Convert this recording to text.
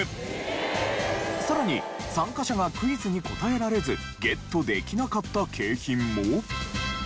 さらに参加者がクイズに答えられずゲットできなかった景品も。